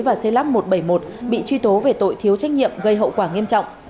và xây lắp một trăm bảy mươi một bị truy tố về tội thiếu trách nhiệm gây hậu quả nghiêm trọng